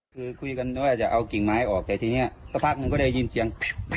คือคุยกันว่าจะเอากิ่งไม้ออกแต่ทีนี้สักพักหนึ่งก็ได้ยินเสียง